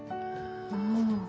ああ。